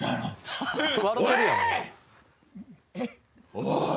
おい。